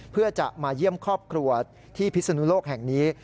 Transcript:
เพื่อจะมาเยี่ยมครอบครัวที่พิศนุโลกแห่งนี้